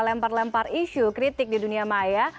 lempar lempar isu kritik di dunia maya